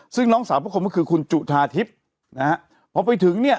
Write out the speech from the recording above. ซึ่งน้องสาวพวกผมก็คือคุณจุธาทิพย์นะฮะพอไปถึงเนี่ย